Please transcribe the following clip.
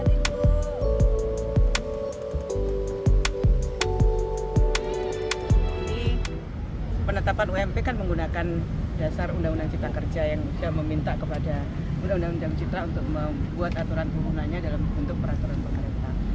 ini penetapan ump kan menggunakan dasar undang undang cipta kerja yang sudah meminta kepada undang undang citra untuk membuat aturan penggunanya dalam bentuk peraturan pemerintah